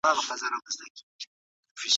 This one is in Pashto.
په کورني تعلیم کې د چا پر حق تېری نه کېږي.